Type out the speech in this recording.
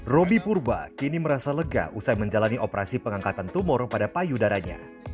robby purba kini merasa lega usai menjalani operasi pengangkatan tumor pada payudaranya